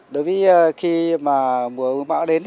đối với khi mà mùa lũ bão đến